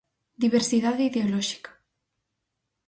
Diversidade ideolóxica.